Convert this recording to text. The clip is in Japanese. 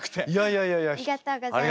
ありがとうございます。